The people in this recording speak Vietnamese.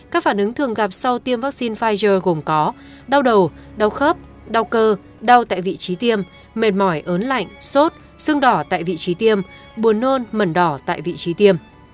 các phản ứng thường gặp sau tiêm vaccine pfizer gồm có đau đầu đau khớp đau cơ đau tại vị trí tiêm mệt mỏi ớn lạnh sốt sưng đỏ tại vị trí tiêm buồn nôn mẩn đỏ tại vị trí tiêm